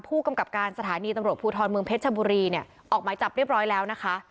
ผู้กำกับการสถานีตำรวจภูทรเมืองเพชรชบุรีเนี่ยออกหมายจับเรียบร้อยแล้วนะคะ